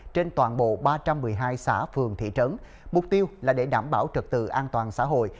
trên toàn bộ ba trăm một mươi hai xã phường thị trấn mục tiêu là để đảm bảo trật tự an toàn xã hội